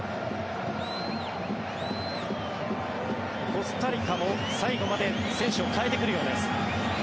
コスタリカも最後まで選手を代えてくるようです。